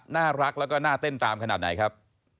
น่ารักแล้วก็น่าเต้นตามขนาดไหนครับ